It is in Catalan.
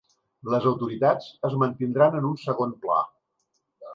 Les autoritats es mantindran en un segon pla.